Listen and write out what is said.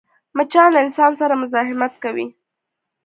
مچان له انسان سره مزاحمت کوي